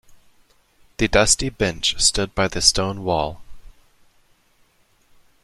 The dusty bench stood by the stone wall.